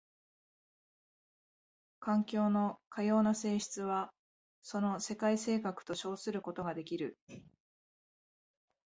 環境のかような性質はその世界性格と称することができる。